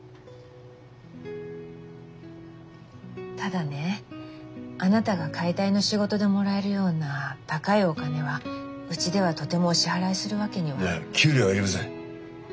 ただねあなたが解体の仕事でもらえるような高いお金はうちではとてもお支払いするわけには。いや給料はいりません。